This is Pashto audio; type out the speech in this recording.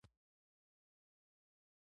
دوسیه بندي څه ګټه لري؟